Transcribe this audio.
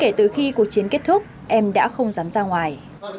đến kết thúc em đã không dám ra ngoài